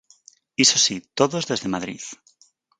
¡Iso si, todos desde Madrid!